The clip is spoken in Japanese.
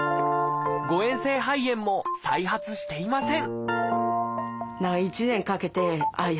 誤えん性肺炎も再発していません